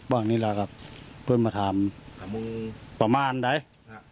บ้างนี่แล้วกับคุณมาถามสามโมงประมาณไหนครับ